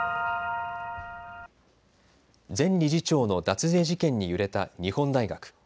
前理事長の脱税事件に揺れた日本大学。